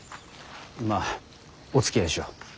まあおつきあいしよう。